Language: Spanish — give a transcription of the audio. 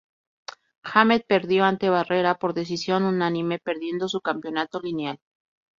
Hamed perdió ante Barrera por decisión unánime, perdiendo su campeonato Lineal.